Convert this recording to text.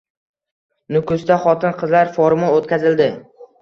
Nukusda xotin-qizlar forumi o‘tkazildi